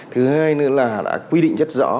thứ hai nữa là đã quy định rất rõ